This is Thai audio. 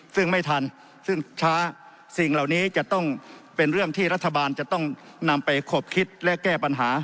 ซึ่งไม่ทันซึ่งช้าสิ่งเหล่านี้จะต้องเป็นเรื่องที่รัฐบาลจะต้องนำไปขบคิดและแก้ปัญหา